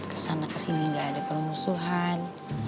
kesana kesini gak ada permusuhan